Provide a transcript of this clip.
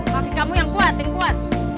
kaki kamu yang kuat yang kuat